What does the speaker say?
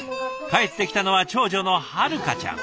帰ってきたのは長女の榛香ちゃん。